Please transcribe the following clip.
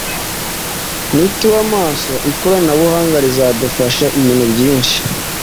Nituba maso ikoranabuhanga rizadufasha ibintu byinshi.